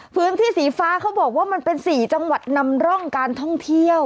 พื้นที่สีฟ้าเขาบอกว่ามันเป็น๔จังหวัดนำร่องการท่องเที่ยว